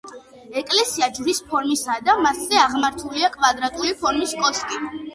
ეკლესია ჯვრის ფორმისაა და მასზე აღმართულია კვადრატული ფორმის კოშკი.